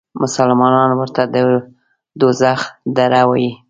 مسلمانان ورته د دوزخ دره وایي.